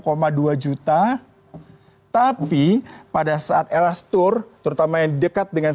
kemudian juga kalau kita bicara mengenai tiket penerbangan